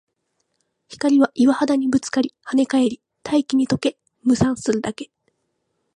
光は岩肌にぶつかり、跳ね返り、大気に溶け、霧散するだけ